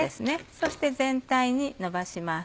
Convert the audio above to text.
そして全体にのばします。